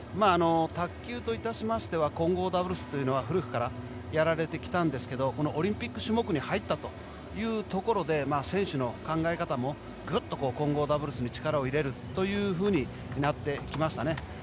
卓球と致しましては混合ダブルスは古くからやられてきたんですけどオリンピック種目に入ったというところで選手の考え方も、グッと混合ダブルスに力を入れるというふうになってきましたね。